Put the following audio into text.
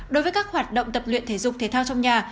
đối với các hoạt động tập luyện thể dục thể thao trong nhà